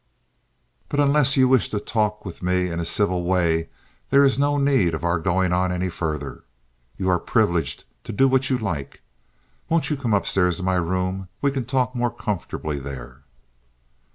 But unless you wish to talk with me in a civil way there is no need of our going on any further. You are privileged to do what you like. Won't you come up stairs to my room? We can talk more comfortably there."